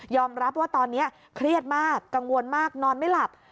รับว่าตอนนี้เครียดมากกังวลมากนอนไม่หลับ